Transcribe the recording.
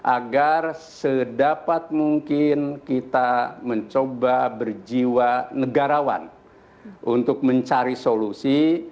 agar sedapat mungkin kita mencoba berjiwa negarawan untuk mencari solusi